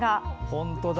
本当だ。